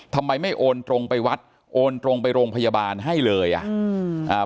ทำไมไม่โอนตรงไปวัดโอนตรงไปโรงพยาบาลให้เลยอ่ะอืมอ่า